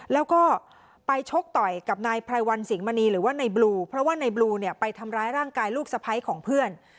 แล้วก็ไปชกต่อยกับนายไพรวันสิงหมณีหรือว่าในบลูเพราะว่าในบลูเนี่ยไปทำร้ายร่างกายลูกสะพ้ายของเพื่อน